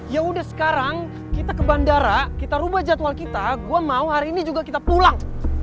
ya udah sekarang kita ke bandara kita ubah jadwal kita gue mau hari ini juga kita pulang